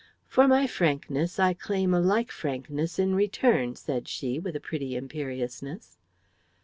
"For my frankness I claim a like frankness in return," said she, with a pretty imperiousness.